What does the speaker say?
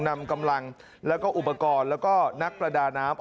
นำกำลังแล้วก็อุปกรณ์แล้วก็นักประดาน้ำ